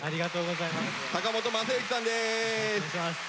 坂本昌行さんです。